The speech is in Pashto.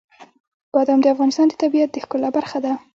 بادام د افغانستان د طبیعت د ښکلا برخه ده.